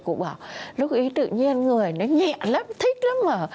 cụ bảo lúc ý tự nhiên người nó nhẹ lắm thích lắm mà